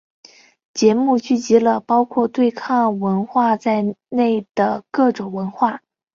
节日聚集了包括对抗文化在内的各种文化。